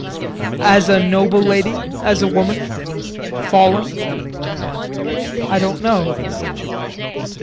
As a noble lady, as a woman fallen I don't know.